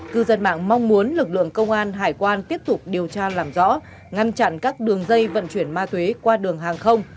cư dân mạng mong muốn lực lượng công an hải quan tiếp tục điều tra làm rõ ngăn chặn các đường dây vận chuyển ma túy qua đường hàng không